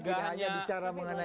tidak hanya bicara mengenai